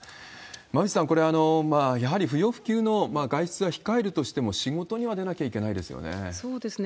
馬渕さん、これ、やはり不要不急の外出は控えるとしても、仕事には出なきゃいけないですよね。